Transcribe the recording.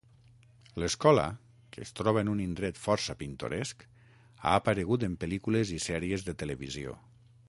L'escola, que es troba en un indret força pintoresc, ha aparegut en pel·lícules i sèries de televisió.